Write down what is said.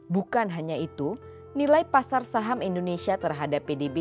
bukan hanya itu nilai pasar saham indonesia terhadap pdb